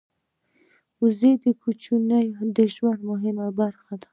وزې د کوچیانو د ژوند مهمه برخه ده